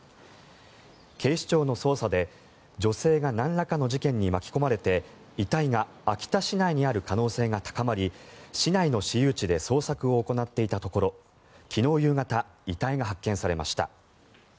警視庁の捜査で女性がなんらかの事件に巻き込まれて遺体が秋田市内にある可能性が高まり市内の私有地で捜索を行っていたところ昨日夕方遺体が発見されました。